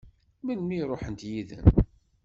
Melmi i ṛuḥent yid-m?